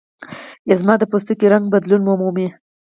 یا زما د پوستکي رنګ بدلون ومومي.